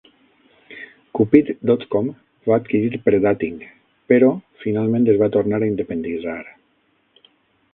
Cupid dot com va adquirir Pre-Dating, però finalment es va tornar a independitzar.